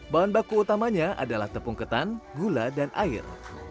bahan baku utamanya adalah tepung ketan gula dan air